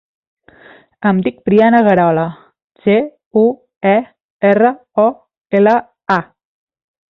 Em dic Brianna Guerola: ge, u, e, erra, o, ela, a.